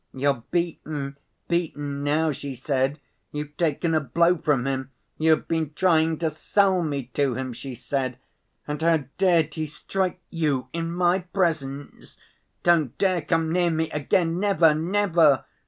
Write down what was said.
'You're beaten, beaten now,' she said. 'You've taken a blow from him. You have been trying to sell me to him,' she said.... 'And how dared he strike you in my presence! Don't dare come near me again, never, never!